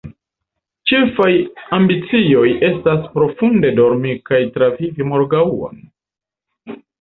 Ĉefaj ambicioj estas profunde dormi kaj travivi morgaŭon.